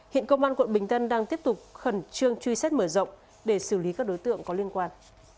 hiện công an quận bình tân đang tiếp tục khẩn trương truy xét mở rộng để xử lý các đối tượng có liên quan